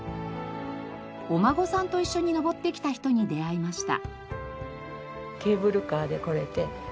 お孫さんと一緒に登ってきた人に出会いました。